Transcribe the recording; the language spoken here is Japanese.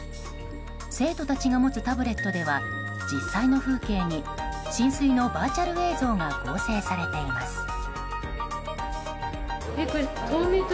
生徒たちが持つタブレットでは実際の風景に浸水のバーチャル映像が合成されています。